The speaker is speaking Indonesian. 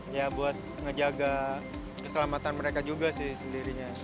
ya buat ngejaga keselamatan mereka juga sih sendirinya